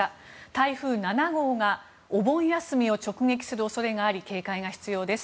台風７号がお盆休みを直撃する恐れがあり警戒が必要です。